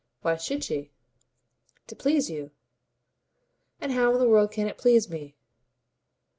"Why should she?" "To please you." "And how in the world can it please me?"